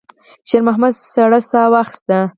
شېرمحمد سړه ساه واخيسته.